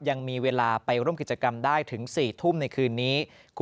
ยังมีเวลาไปร่วมกิจกรรมได้ถึง๔ทุ่มในคืนนี้